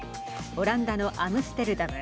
オランダのアムステルダム。